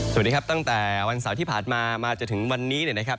สวัสดีครับตั้งแต่วันเสาร์ที่ผ่านมามาจนถึงวันนี้เนี่ยนะครับ